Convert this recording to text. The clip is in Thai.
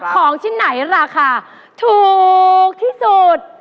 ของชิ้นไหนราคาถูกที่สุด